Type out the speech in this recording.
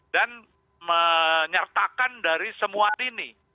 dan menyertakan dari semua ini